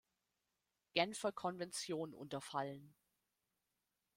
Genfer Konvention unterfallen.